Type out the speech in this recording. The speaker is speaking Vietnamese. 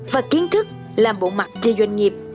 và kiến thức làm bộ mặt cho doanh nghiệp